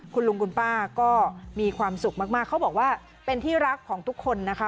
คุณลุงคุณป้าก็มีความสุขมากเขาบอกว่าเป็นที่รักของทุกคนนะคะ